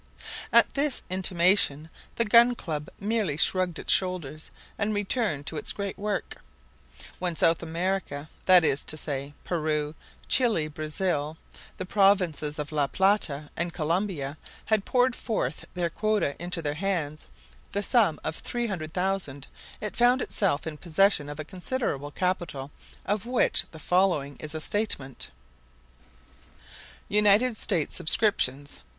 At this intimation the Gun Club merely shrugged its shoulders and returned to its great work. When South America, that is to say, Peru, Chili, Brazil, the provinces of La Plata and Columbia, had poured forth their quota into their hands, the sum of $300,000, it found itself in possession of a considerable capital, of which the following is a statement: United States subscriptions